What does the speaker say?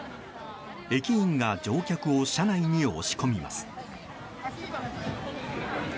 駅員が乗客を車内に押し込みます。